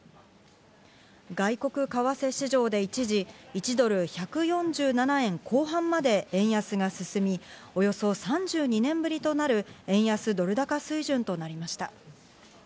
外国為替市場で一時、１ドル＝１４７円後半まで円安が進み、およそ３２年ぶりとなる円安ドル高水準となりました。